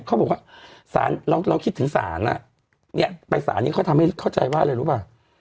เขาบอกว่าสารเราคิดถึงศาลไปสารนี้เขาทำให้เข้าใจว่าอะไรรู้ป่ะ